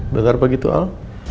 benar begitu al